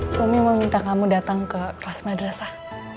bumi mau minta kamu datang ke kelas madrasah